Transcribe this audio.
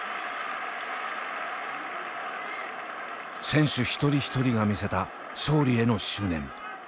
選手一人一人が見せた勝利への執念。